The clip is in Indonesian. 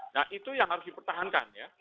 nah itu yang harus dipertahankan ya